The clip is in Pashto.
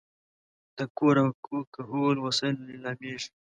د کور او کهول وسایل لیلامېږي.